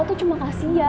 lo tuh cuma kasihnya